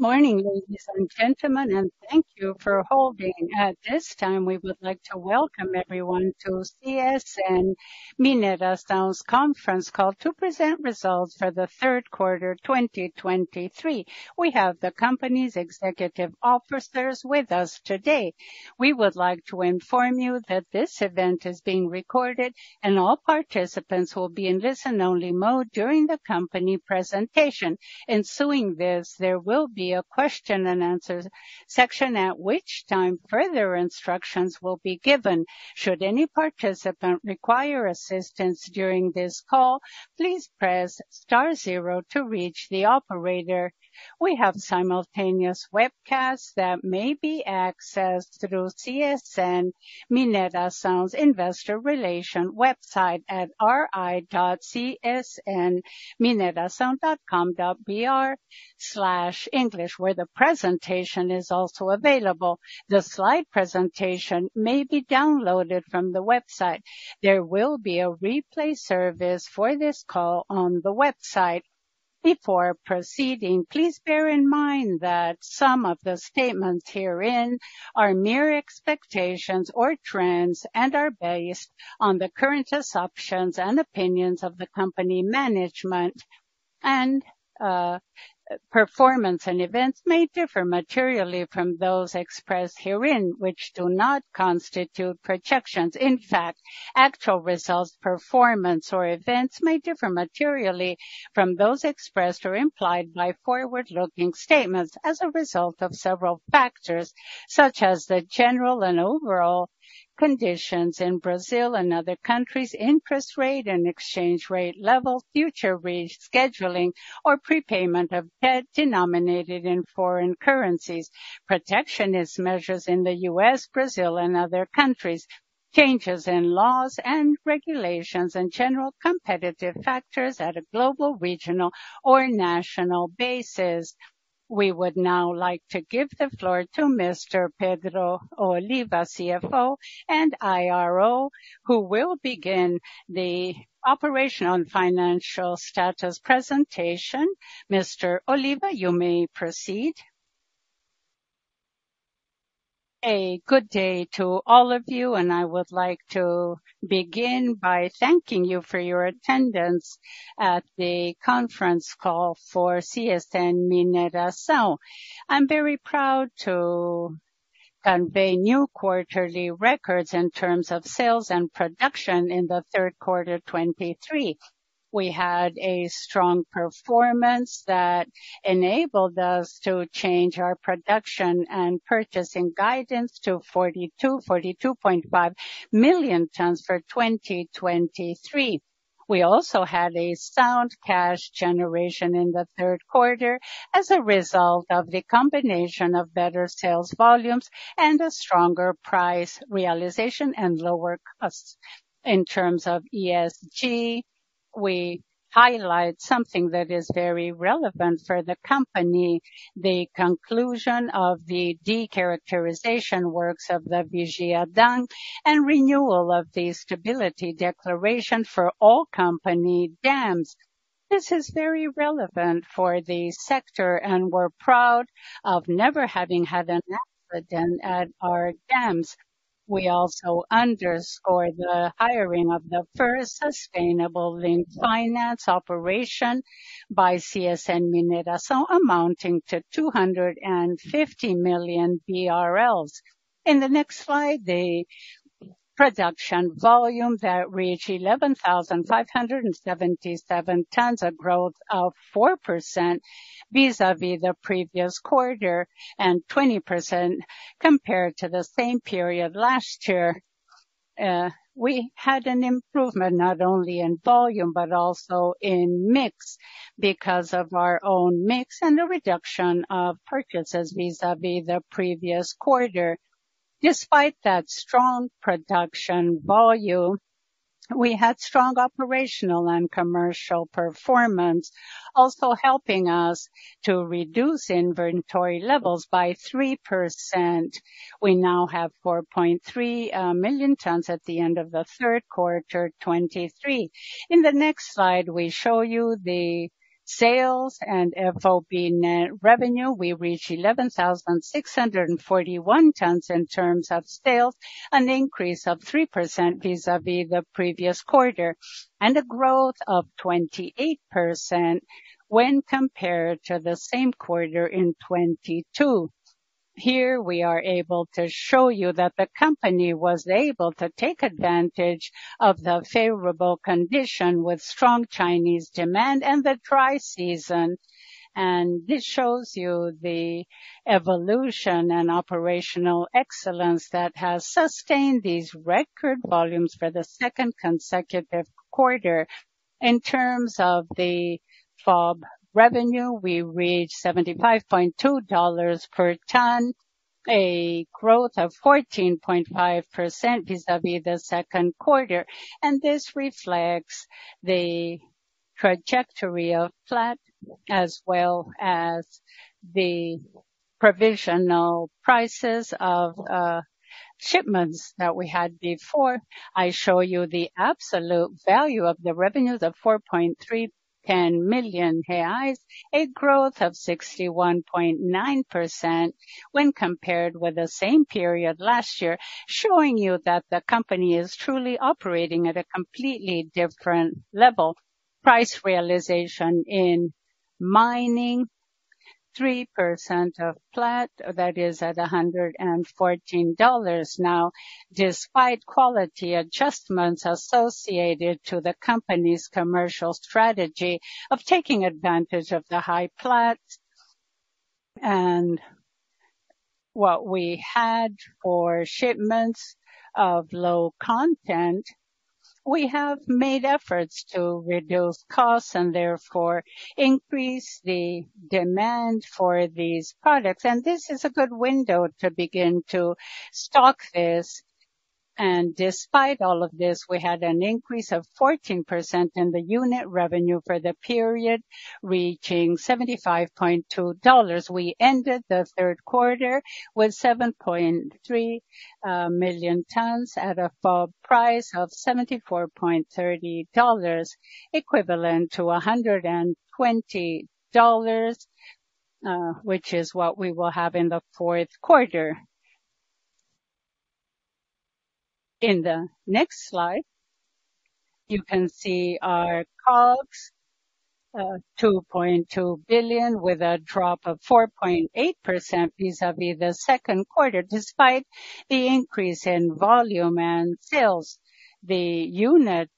Morning, ladies and gentlemen, and thank you for holding. At this time, we would like to welcome everyone to CSN Mineração's conference call to present results for the third quarter, 2023. We have the company's executive officers with us today. We would like to inform you that this event is being recorded, and all participants will be in listen-only mode during the company presentation. Ensuing this, there will be a question and answer section, at which time further instructions will be given. Should any participant require assistance during this call, please press star zero to reach the operator. We have simultaneous webcast that may be accessed through CSN Mineração's investor relation website at ri.csnmineracao.com.br/english, where the presentation is also available. The slide presentation may be downloaded from the website. There will be a replay service for this call on the website. Before proceeding, please bear in mind that some of the statements herein are mere expectations or trends and are based on the current assumptions and opinions of the company management, and, performance and events may differ materially from those expressed herein, which do not constitute projections. In fact, actual results, performance, or events may differ materially from those expressed or implied by forward-looking statements as a result of several factors, such as the general and overall conditions in Brazil and other countries, interest rate and exchange rate level, future rescheduling, or prepayment of debt denominated in foreign currencies. Protectionist measures in the U.S., Brazil, and other countries, changes in laws and regulations and general competitive factors at a global, regional, or national basis. We would now like to give the floor to Mr. Pedro Oliva, CFO and IRO, who will begin the operational and financial status presentation. Mr. Oliva, you may proceed. A good day to all of you, and I would like to begin by thanking you for your attendance at the conference call for CSN Mineração. I'm very proud to convey new quarterly records in terms of sales and production in the third quarter 2023. We had a strong performance that enabled us to change our production and purchasing guidance to 42-42.5 million tons for 2023. We also had a sound cash generation in the third quarter as a result of the combination of better sales volumes and a stronger price realization and lower costs. In terms of ESG, we highlight something that is very relevant for the company, the conclusion of the decharacterization works of the Vigia Dam, and renewal of the stability declaration for all company dams. This is very relevant for the sector, and we're proud of never having had an accident at our dams. We also underscore the hiring of the first Sustainability-Linked Finance operation by CSN Mineração, amounting to 250 million BRL. In the next slide, the production volume that reached 11,577 tons, a growth of 4% vis-à-vis the previous quarter, and 20% compared to the same period last year. We had an improvement not only in volume but also in mix, because of our own mix and a reduction of purchases vis-à-vis the previous quarter. Despite that strong production volume, we had strong operational and commercial performance, also helping us to reduce inventory levels by 3%. We now have 4.3 million tons at the end of the third quarter 2023. In the next slide, we show you the sales and FOB net revenue. We reached 11,641 tons in terms of sales, an increase of 3% vis-à-vis the previous quarter, and a growth of 28% when compared to the same quarter in 2022. Here, we are able to show you that the company was able to take advantage of the favorable condition with strong Chinese demand and the dry season. This shows you the evolution and operational excellence that has sustained these record volumes for the second consecutive quarter. In terms of the FOB revenue, we reached $75.2 per ton, a growth of 14.5% vis-à-vis the second quarter. This reflects the trajectory of Platts, as well as provisional prices of shipments that we had before. I show you the absolute value of the revenues of 43.10 million reais, a growth of 61.9% when compared with the same period last year, showing you that the company is truly operating at a completely different level. Price realization in mining, 3% off Platts, that is at $114. Now, despite quality adjustments associated to the company's commercial strategy of taking advantage of the high Platts and what we had for shipments of low content, we have made efforts to reduce costs and therefore increase the demand for these products. This is a good window to begin to stock this. Despite all of this, we had an increase of 14% in the unit revenue for the period, reaching $75.2. We ended the third quarter with 7.3 million tons at a FOB price of $74.30, equivalent to $120, which is what we will have in the fourth quarter. In the next slide, you can see our COGS, 2.2 billion, with a drop of 4.8% vis-à-vis the second quarter, despite the increase in volume and sales. The unit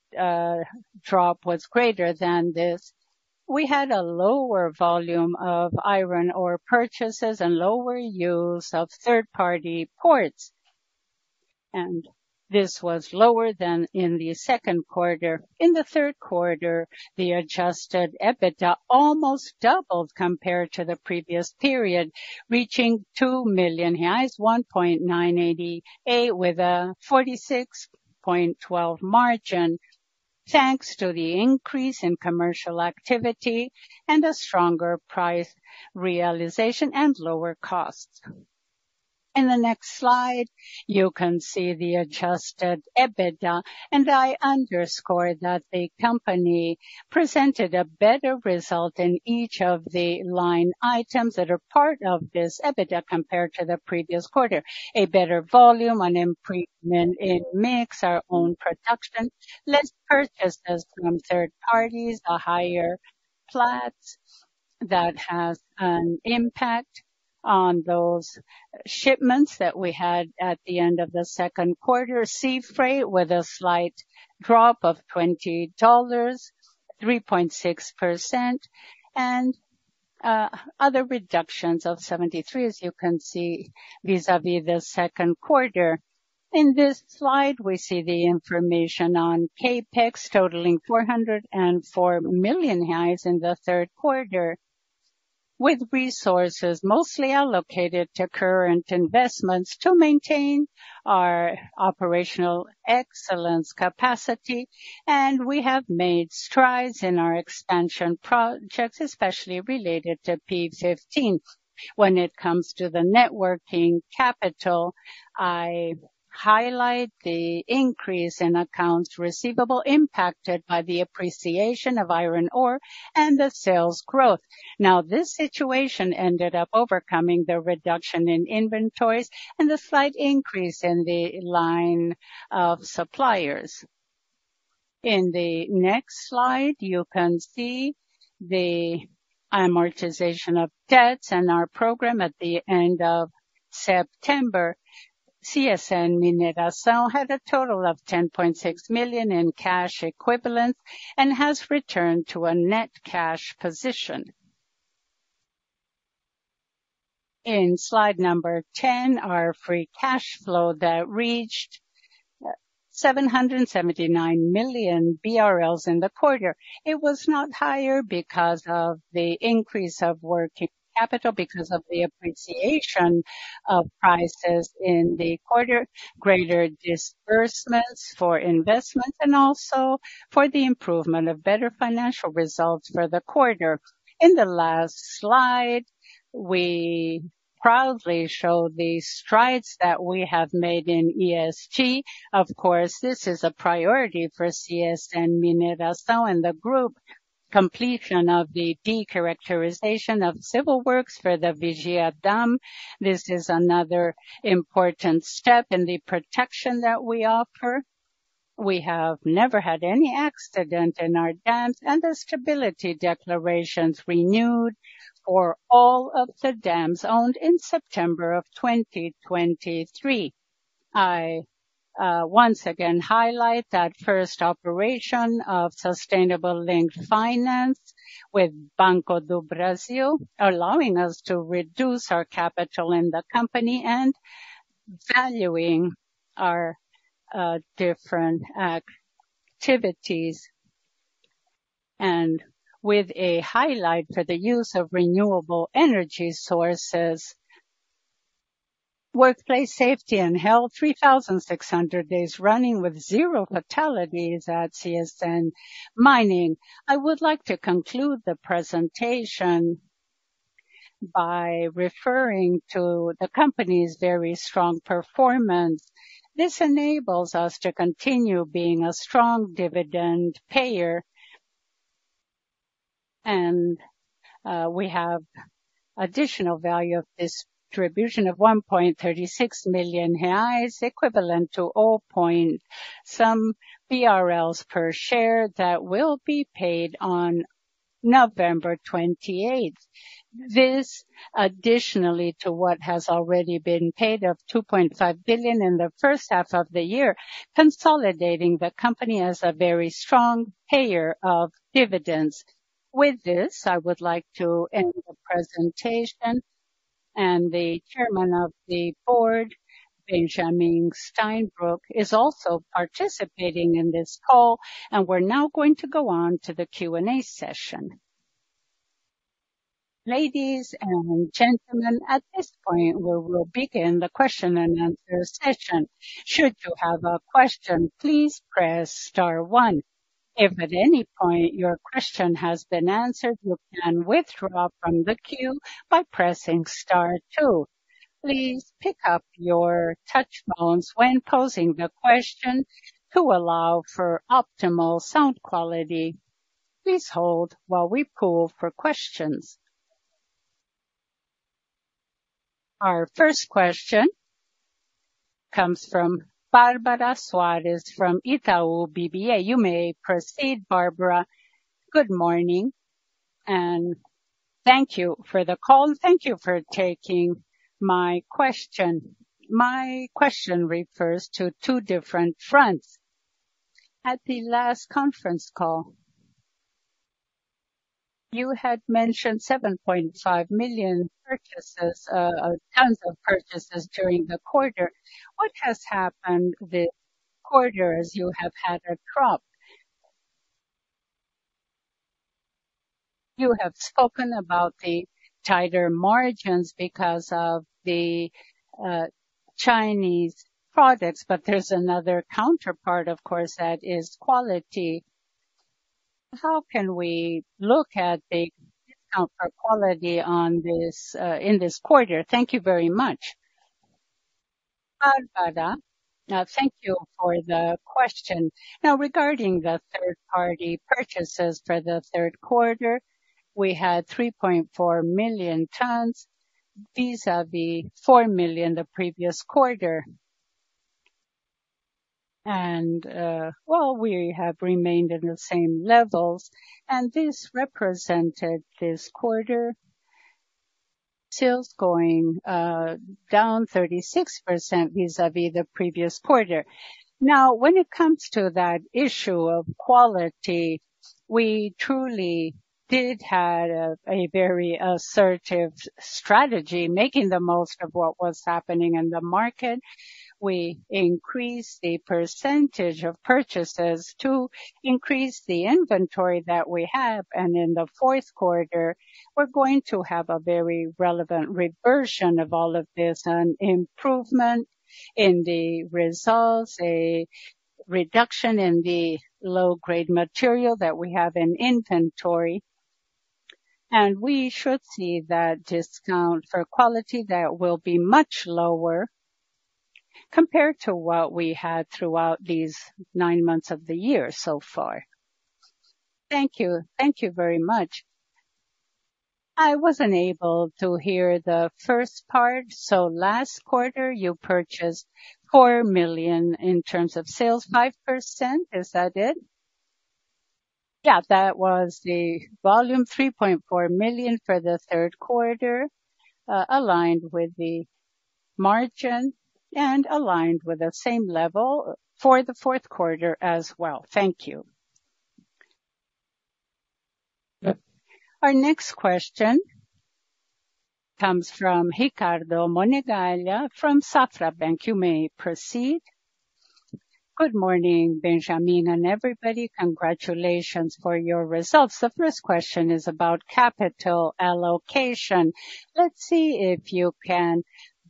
drop was greater than this. We had a lower volume of iron ore purchases and lower use of third-party ports, and this was lower than in the second quarter. In the third quarter, the adjusted EBITDA almost doubled compared to the previous period, reaching 1.988 billion reais, with a 46.12% margin, thanks to the increase in commercial activity and a stronger price realization and lower costs. In the next slide, you can see the adjusted EBITDA, and I underscore that the company presented a better result in each of the line items that are part of this EBITDA compared to the previous quarter. A better volume, an improvement in mix, our own production. Less purchases from third parties, a higher Platts that has an impact on those shipments that we had at the end of the second quarter. Sea freight, with a slight drop of $20, 3.6%, and other reductions of $73, as you can see, vis-a-vis the second quarter. In this slide, we see the information on CapEx totaling 404 million in the third quarter, with resources mostly allocated to current investments to maintain our operational excellence capacity. And we have made strides in our expansion projects, especially related to P15. When it comes to the working capital, I highlight the increase in accounts receivable impacted by the appreciation of iron ore and the sales growth. Now, this situation ended up overcoming the reduction in inventories and a slight increase in the line of suppliers. In the next slide, you can see the amortization of debts and our program at the end of September. CSN Mineração had a total of 10.6 million in cash equivalents and has returned to a net cash position. In slide number 10, our free cash flow that reached 779 million BRL in the quarter. It was not higher because of the increase of working capital, because of the appreciation of prices in the quarter, greater disbursements for investment, and also for the improvement of better financial results for the quarter. In the last slide, we proudly show the strides that we have made in ESG. Of course, this is a priority for CSN Mineração and the group. Completion of the decharacterization of civil works for the Vigia Dam. This is another important step in the protection that we offer. We have never had any accident in our dams, and the stability declarations renewed for all of the dams owned in September 2023. I once again highlight that first operation of sustainable linked finance with Banco do Brasil, allowing us to reduce our capital in the company and valuing our different activities, and with a highlight for the use of renewable energy sources. Workplace safety and health, 3,600 days running with zero fatalities at CSN Mineração. I would like to conclude the presentation by referring to the company's very strong performance. This enables us to continue being a strong dividend payer, and we have additional value of distribution of 1.36 million, equivalent to 0.136 BRL per share, that will be paid on November 28th. This in addition to what has already been paid of 2.5 billion in the first half of the year, consolidating the company as a very strong payer of dividends. With this, I would like to end the presentation, and the chairman of the board, Benjamin Steinbruch, is also participating in this call, and we're now going to go on to the Q&A session. Ladies and gentlemen, at this point, we will begin the question and answer session. Should you have a question, please press star one. If at any point your question has been answered, you can withdraw from the queue by pressing star two. Please pick up your touch-tone phones when posing a question to allow for optimal sound quality. Please hold while we poll for questions. Our first question comes from Barbara Soares from Itaú BBA. You may proceed, Barbara. Good morning, and thank you for the call. Thank you for taking my question. My question refers to two different fronts. At the last conference call, you had mentioned 7.5 million tons of purchases during the quarter. What has happened this quarter, as you have had a drop? You have spoken about the tighter margins because of the Chinese products, but there's another counterpart, of course, that is quality. How can we look at the discount for quality on this in this quarter? Thank you very much. Barbara, thank you for the question. Now, regarding the third-party purchases for the third quarter, we had 3.4 million tons, vis-à-vis 4 million the previous quarter. And, well, we have remained in the same levels, and this represented this quarter sales going down 36% vis-à-vis the previous quarter. Now, when it comes to that issue of quality, we truly did have a very assertive strategy, making the most of what was happening in the market. We increased the percentage of purchases to increase the inventory that we have, and in the fourth quarter, we're going to have a very relevant reversion of all of this, an improvement in the results, a reduction in the low-grade material that we have in inventory. And we should see that discount for quality, that will be much lower compared to what we had throughout these nine months of the year so far. Thank you. Thank you very much. I was unable to hear the first part, so last quarter you purchased 4 million in terms of sales, 5%, is that it? Yeah, that was the volume, 3.4 million for the third quarter, aligned with the margin and aligned with the same level for the fourth quarter as well. Thank you. Our next question comes from Ricardo Monegaglia from Safra Bank. You may proceed. Good morning, Benjamin, and everybody. Congratulations for your results. The first question is about capital allocation. Let's see if you can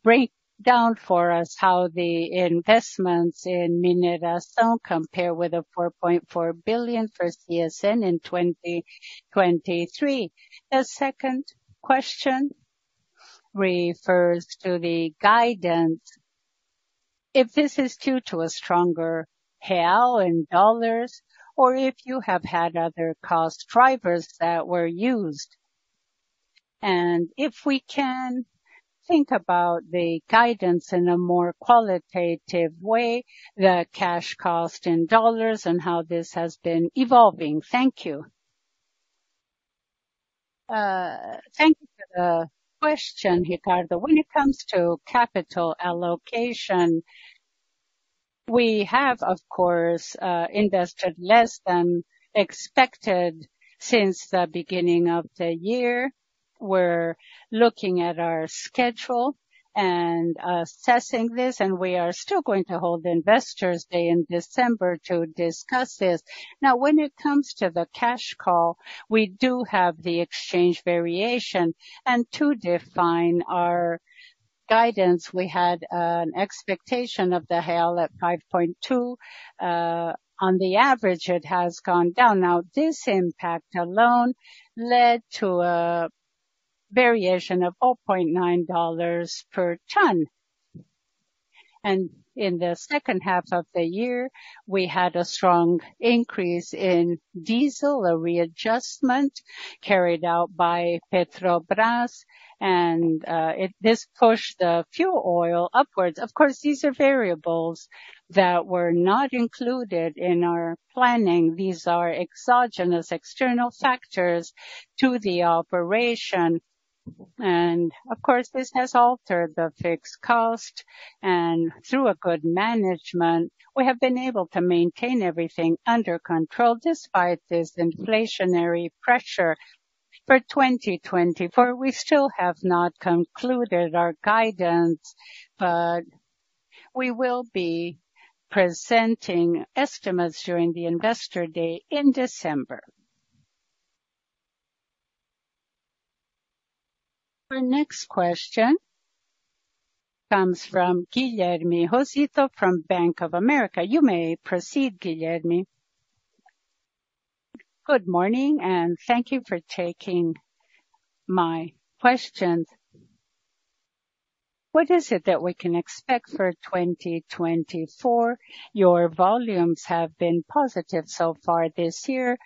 break down for us how the investments in Mineração compare with the 4.4 billion for CSN in 2023. The second question refers to the guidance. If this is due to a stronger real in dollars, or if you have had other cost drivers that were used, and if we can think about the guidance in a more qualitative way, the cash cost in dollars and how this has been evolving. Thank you. Thank you for the question, Ricardo. When it comes to capital allocation, we have, of course, invested less than expected since the beginning of the year. We're looking at our schedule and assessing this, and we are still going to hold Investors Day in December to discuss this. Now, when it comes to the cash cost, we do have the exchange variation and to define our guidance, we had an expectation of the real at 5.2. On the average, it has gone down. Now, this impact alone led to a variation of $4.9 per ton. In the second half of the year, we had a strong increase in diesel, a readjustment carried out by Petrobras, and this pushed the fuel oil upwards. Of course, these are variables that were not included in our planning. These are exogenous, external factors to the operation, and of course, this has altered the fixed cost. Through a good management, we have been able to maintain everything under control, despite this inflationary pressure. For 2024, we still have not concluded our guidance, but we will be presenting estimates during the Investor Day in December. Our next question comes from Guilherme Rosito from Bank of America. You may proceed, Guilherme. Good morning, and thank you for taking my questions. What is it that we can expect for 2024? Your volumes have been positive so far this year.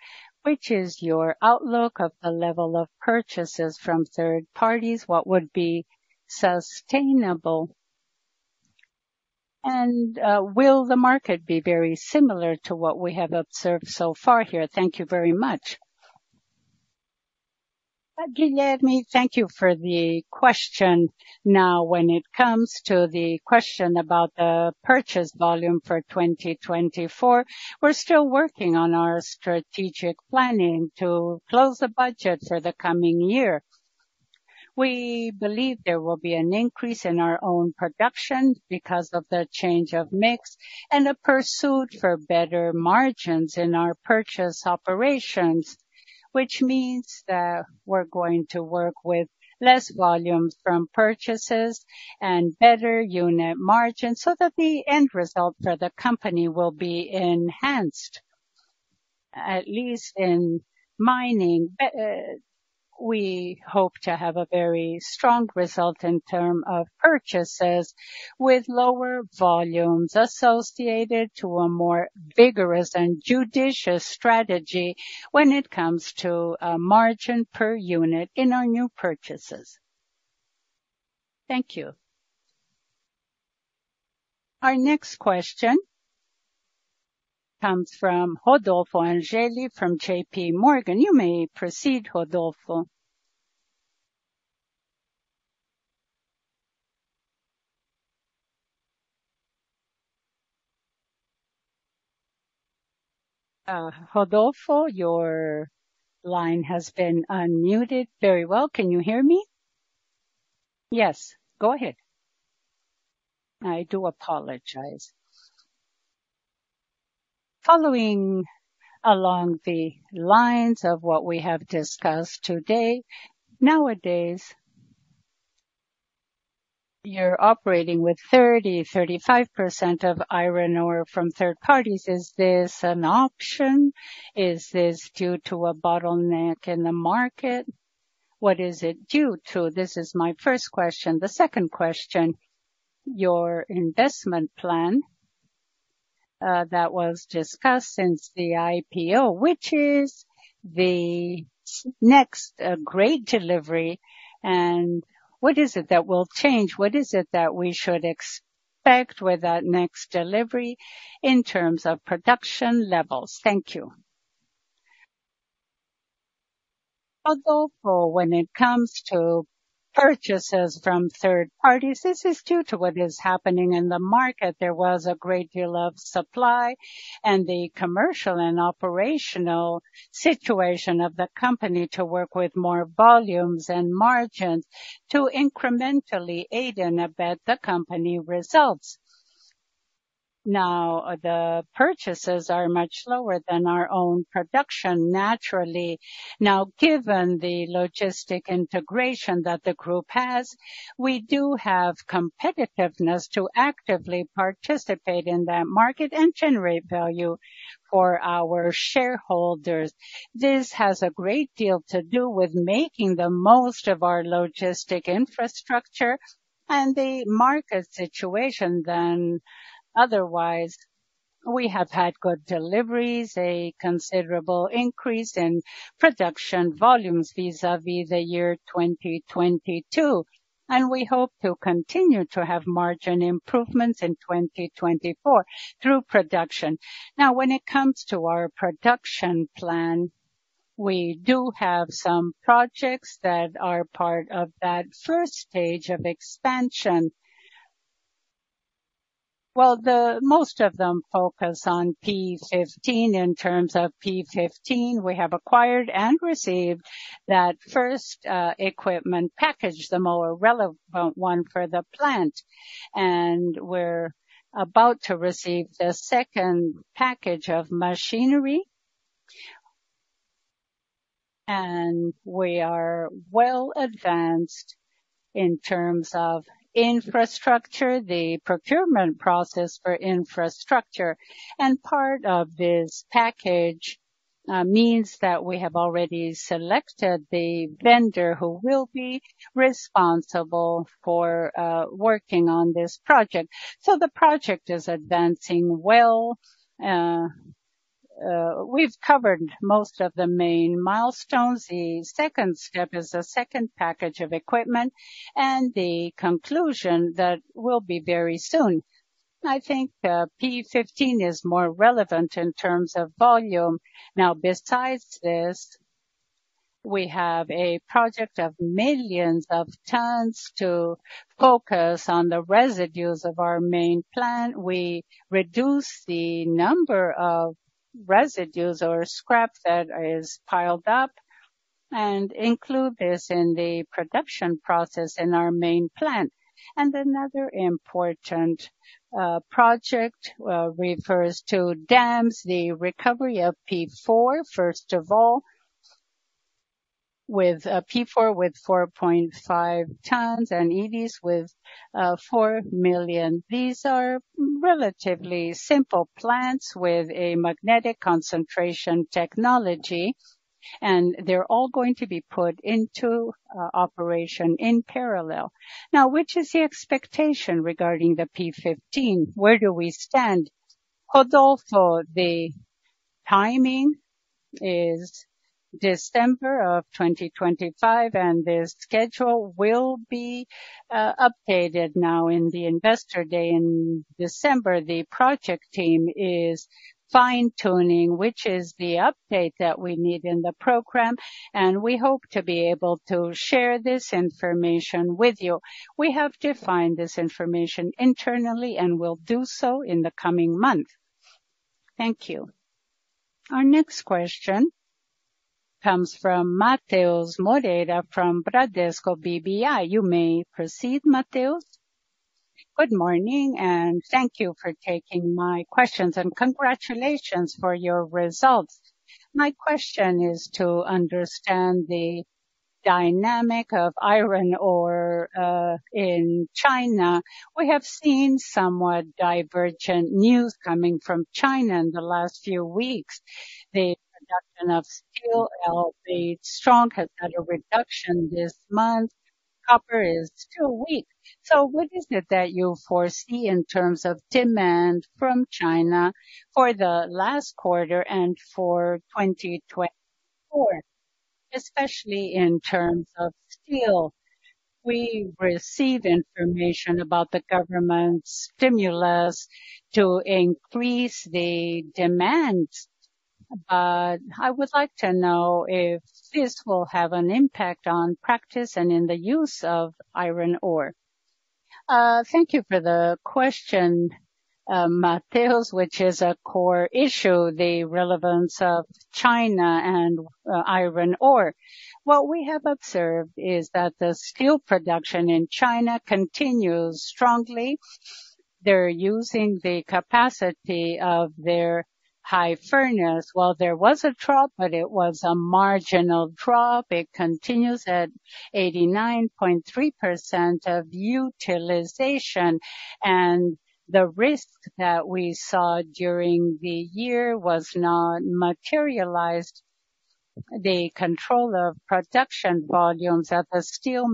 Which is your outlook of the level of purchases from third parties? What would be sustainable? Will the market be very similar to what we have observed so far here? Thank you very much. Guilherme, thank you for the question. Now, when it comes to the question about the purchase volume for 2024, we're still working on our strategic planning to close the budget for the coming year. We believe there will be an increase in our own production because of the change of mix and a pursuit for better margins in our purchase operations, which means that we're going to work with less volumes from purchases and better unit margins so that the end result for the company will be enhanced, at least in mining. We hope to have a very strong result in terms of purchases, with lower volumes associated to a more vigorous and judicious strategy when it comes to margin per unit in our new purchases. Thank you. Our next question comes from Rodolfo Angele from JPMorgan. You may proceed, Rodolfo. Rodolfo, your line has been unmuted. Very well. Can you hear me? Yes, go ahead. I do apologize. Following along the lines of what we have discussed today, nowadays, you're operating with 30%-35% of iron ore from third parties. Is this an option? Is this due to a bottleneck in the market? What is it due to? This is my first question. The second question, your investment plan that was discussed since the IPO, which is the next great delivery, and what is it that will change? What is it that we should expect with that next delivery in terms of production levels? Thank you. Rodolfo, when it comes to purchases from third parties, this is due to what is happening in the market. There was a great deal of supply and the commercial and operational situation of the company to work with more volumes and margins to incrementally aid and abet the company results. Now, the purchases are much lower than our own production, naturally. Now, given the logistic integration that the group has, we do have competitiveness to actively participate in that market and generate value for our shareholders. This has a great deal to do with making the most of our logistic infrastructure and the market situation than otherwise. We have had good deliveries, a considerable increase in production volumes vis-à-vis the year 2022, and we hope to continue to have margin improvements in 2024 through production. Now, when it comes to our production plan, we do have some projects that are part of that first stage of expansion. Well, the most of them focus on P15. In terms of P15, we have acquired and received that first equipment package, the more relevant one for the plant, and we're about to receive the second package of machinery. And we are well advanced in terms of infrastructure, the procurement process for infrastructure. And part of this package means that we have already selected the vendor who will be responsible for working on this project. So the project is advancing well. We've covered most of the main milestones. The second step is the second package of equipment, and the conclusion that will be very soon. I think, P15 is more relevant in terms of volume. Now, besides this, we have a project of millions of tons to focus on the residues of our main plant. We reduce the number of residues or scrap that is piled up, and include this in the production process in our main plant. And another important project refers to dams, the recovery of P4, first of all, with P4, with 4.5 tons and Pires with 4 million. These are relatively simple plants with a magnetic concentration technology, and they're all going to be put into operation in parallel. Now, which is the expectation regarding the P15? Where do we stand? Rodolfo, the timing is December of 2025, and the schedule will be updated now in the investor day in December. The project team is fine-tuning, which is the update that we need in the program, and we hope to be able to share this information with you. We have defined this information internally and will do so in the coming month. Thank you. Our next question comes from Matheus Moreira, from Bradesco BBI. You may proceed, Matheus. Good morning, and thank you for taking my questions, and congratulations for your results. My question is to understand the dynamic of iron ore in China. We have seen somewhat divergent news coming from China in the last few weeks. The production of steel held the strong, has had a reduction this month. Copper is still weak. So what is it that you foresee in terms of demand from China for the last quarter and for 2024, especially in terms of steel? We receive information about the government's stimulus to increase the demand, but I would like to know if this will have an impact on practice and in the use of iron ore. Thank you for the question, Matheus, which is a core issue, the relevance of China and iron ore. What we have observed is that the steel production in China continues strongly. They're using the capacity of their high furnace. Well, there was a drop, but it was a marginal drop. It continues at 89.3% of utilization, and the risk that we saw during the year was not materialized. The control of production volumes at the steel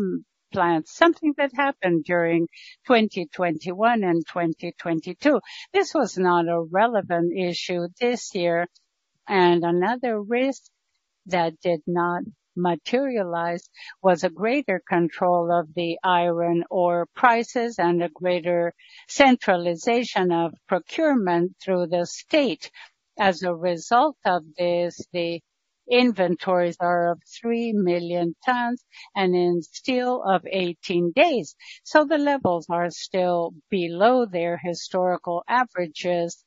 plant, something that happened during 2021 and 2022. This was not a relevant issue this year, and another risk that did not materialize was a greater control of the iron ore prices and a greater centralization of procurement through the state. As a result of this, the inventories are of 3 million tons and in steel of 18 days. So the levels are still below their historical averages,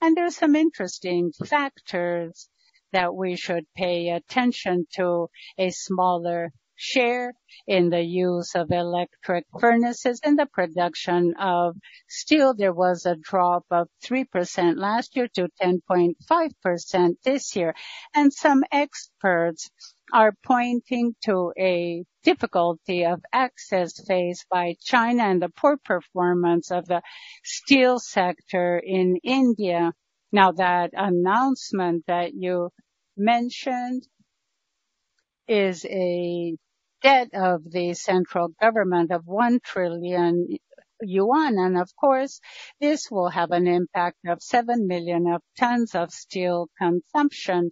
and there are some interesting factors that we should pay attention to. A smaller share in the use of electric furnaces and the production of steel. There was a drop of 3% last year to 10.5% this year. And some experts are pointing to a difficulty of access faced by China and the poor performance of the steel sector in India. Now, that announcement that you mentioned is a debt of the central government of 1 trillion yuan, and of course, this will have an impact of 7 million tons of steel consumption,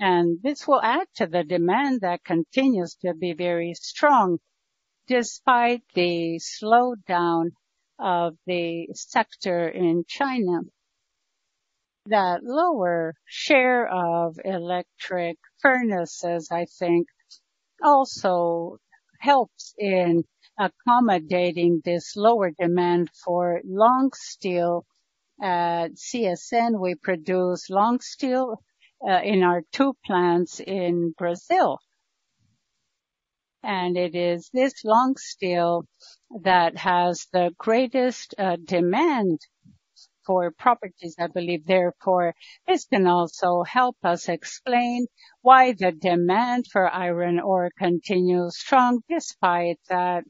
and this will add to the demand that continues to be very strong despite the slowdown of the sector in China. The lower share of electric furnaces, I think, also helps in accommodating this lower demand for long steel. At CSN, we produce long steel in our two plants in Brazil. And it is this long steel that has the greatest demand for properties, I believe. Therefore, this can also help us explain why the demand for iron ore continues strong, despite the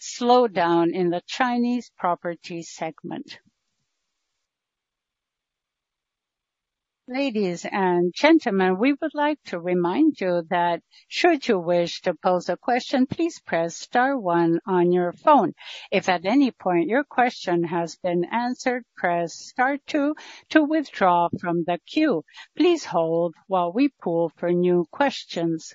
slowdown in the Chinese property segment. Ladies and gentlemen, we would like to remind you that should you wish to pose a question, please press star one on your phone. If at any point your question has been answered, press star two to withdraw from the queue. Please hold while we poll for new questions.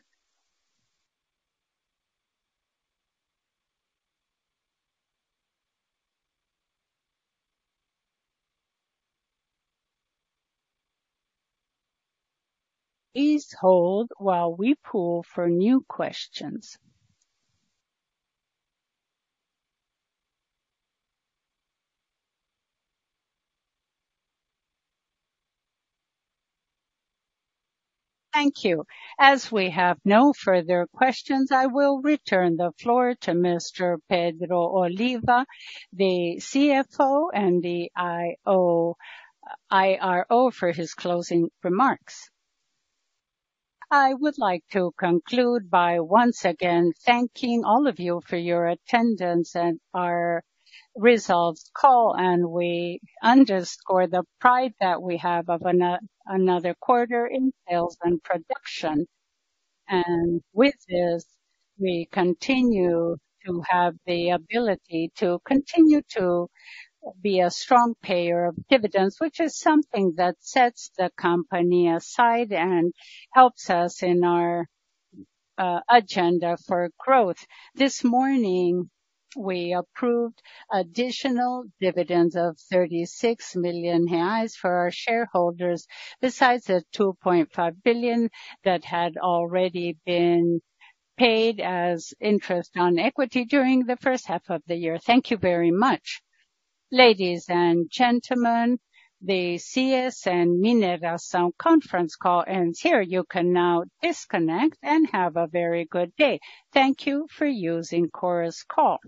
Please hold while we poll for new questions. Thank you. As we have no further questions, I will return the floor to Mr. Pedro Oliva, the CFO and the IRO, for his closing remarks. I would like to conclude by once again thanking all of you for your attendance at our results call, and we underscore the pride that we have of another quarter in sales and production. With this, we continue to have the ability to continue to be a strong payer of dividends, which is something that sets the company aside and helps us in our agenda for growth. This morning, we approved additional dividends of 36 million reais for our shareholders, besides the 2.5 billion that had already been paid as interest on equity during the first half of the year. Thank you very much. Ladies and gentlemen, the CSN Mineração conference call ends here. You can now disconnect and have a very good day. Thank you for using Chorus Call.